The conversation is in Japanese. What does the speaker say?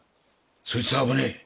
そいつは危ねえ。